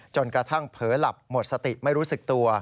จนกระทั่งเผลอหลับหมดสติไม่รู้สึกตัว